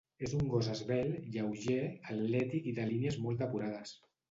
És un gos esvelt, lleuger, atlètic i de línies molt depurades.